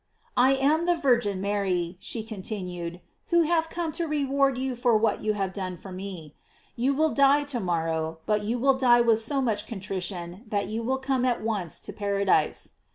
"I am the Virgin Mary," she continued, "who have come to reward you for what you have done for me. You will die to morrow, but you will die with so much contrition that you will come at once to paradise."